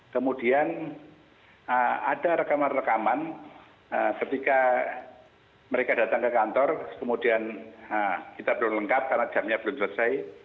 kemudian ada rekaman rekaman ketika mereka datang ke kantor kemudian kita belum lengkap karena jamnya belum selesai